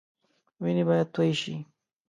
وينې به تويي شي.